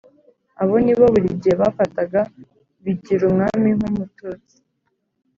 abo Ni bo buri gihe bafataga Bigirumwami nk Umututsi